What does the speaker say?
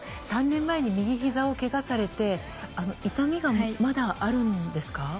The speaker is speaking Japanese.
３年前に右ひざをけがされて痛みがまだあるんですか？